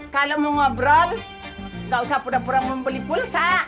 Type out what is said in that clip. kalau mau ngobrol nggak usah pura pura mau beli pulsa